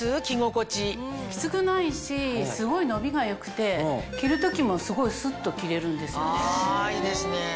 キツくないしすごい伸びが良くて着る時もすごいスッと着れるんですよね。